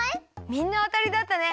みんなあたりだったね！